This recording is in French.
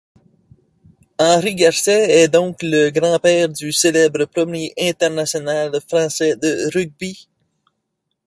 Henri Garcet est donc le grand-père du célèbre premier international français de rugby.